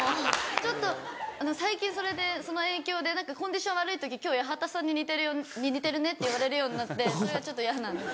ちょっと最近それでその影響でコンディション悪い時「今日八幡さんに似てるね」って言われるようになってそれがちょっとイヤなんです。